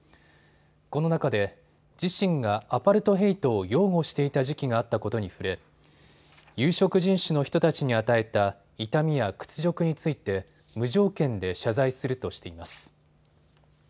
この中で自身がアパルトヘイトを擁護していた時期があったことに触れ有色人種の人たちに与えた痛みや屈辱について無条件で謝罪するとしています。